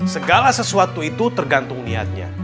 segala sesuatu itu tergantung niatnya